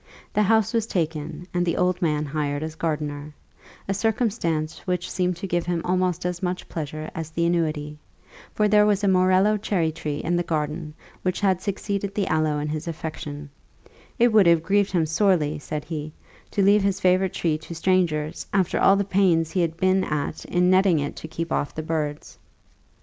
The house was taken, and the old man hired as gardener a circumstance which seemed to give him almost as much pleasure as the annuity; for there was a morello cherry tree in the garden which had succeeded the aloe in his affection: "it would have grieved him sorely," he said, "to leave his favourite tree to strangers, after all the pains he had been at in netting it to keep off the birds."